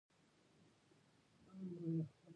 افغانستان د رسوب له پلوه یو متنوع او رنګین هېواد دی.